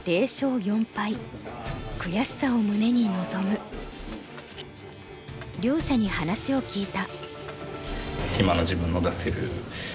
悔しさを胸に臨む。両者に話を聞いた。